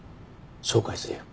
紹介するよ。